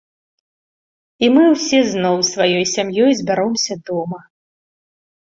І мы ўсе зноў сваёй сям'ёй збяромся дома.